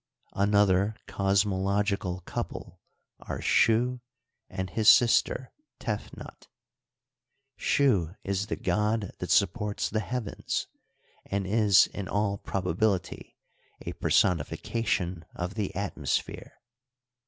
Another cosmolog^cal couple are Shu and his sister Tefnut, Shu is the god that sup ports the heavens, and is, in all probability, a personifica tion of the atmosphere.